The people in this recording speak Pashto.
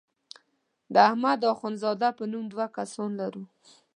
د احمد اخوند زاده په نوم دوه کسان لرو.